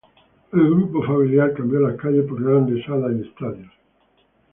El grupo familiar cambió las calles por grandes salas y estadios.